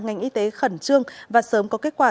ngành y tế khẩn trương và sớm có kết quả